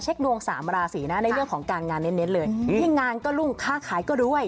เหมาะมีความหวาญนคะ